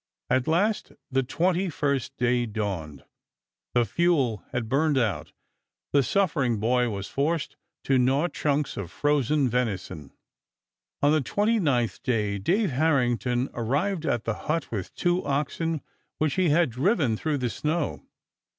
At last the twenty first day dawned; the fuel had burned out; the suffering boy was forced to gnaw chunks of frozen venison. On the twenty ninth day Dave Harrington arrived at the hut with two oxen which he had driven through the snow.